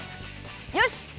よし！